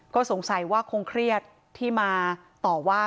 ก็สงสัยว่าคงเครียดที่มาต่อว่า